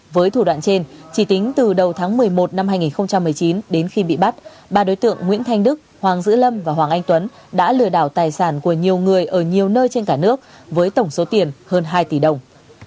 với thủ đoạn trên chỉ tính từ đầu tháng một mươi một năm hai nghìn một mươi chín đến khi bị bắt ba đối tượng nguyễn thanh đức hoàng dữ lâm và hoàng anh tuấn đã lừa đảo tài sản của nhiều người ở nhiều nơi trên cả nước với tổng số tiền hơn hai tỷ đồng